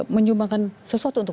menyumbangkan sesuatu untuk